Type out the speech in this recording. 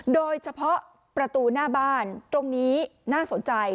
โดยเฉพาะประตูหน้าบ้านตรงนี้น่าสนใจ